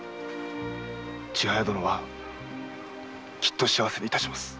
千早殿はきっと幸せにいたします。